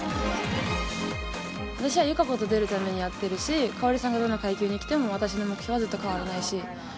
私は友香子と出るためにやってるし、馨さんがどの階級に来ても、私の目標はずっと変わらないし。